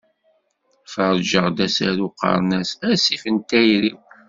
Ferrjeɣ-d asaru qqaren-as " Asif n tayri-w".